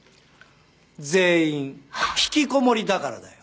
全員ひきこもりだからだよ。